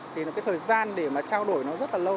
thì là cái thời gian để mà trao đổi nó rất là lâu